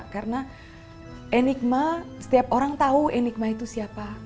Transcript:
karena enigma setiap orang tau enigma itu siapa